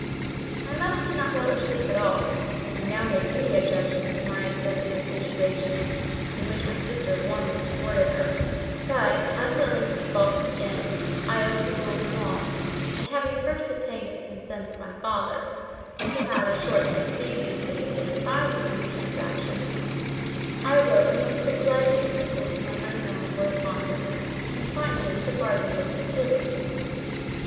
My mother did not relish this at all, and now made many objections to my accepting the situation; in which my sister warmly supported her: but, unwilling to be balked again, I overruled them all; and, having first obtained the consent of my father (who had, a short time previously, been apprised of these transactions), I wrote a most obliging epistle to my unknown correspondent, and, finally, the bargain was concluded.